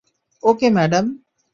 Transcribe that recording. ওকে, madam.